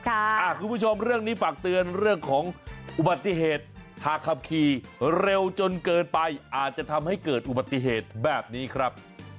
คุณผู้ชมเรื่องนี้ฝากเตือนเรื่องของอุบัติเหตุหากขับขี่เร็วจนเกินไปอาจจะทำให้เกิดอุบัติเหตุแบบนี้ครับ